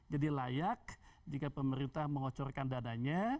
jadi layak jika pemerintah mengocorkan dananya